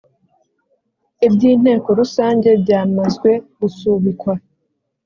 iby’ inteko rusange byamazwe gusubikwa